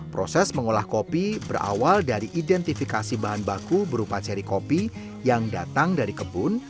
proses mengolah kopi berawal dari identifikasi bahan baku berupa ceri kopi yang datang dari kebun